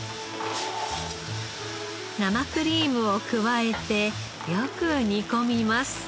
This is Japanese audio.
生クリームを加えてよく煮込みます。